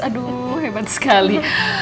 aduh hebat sekali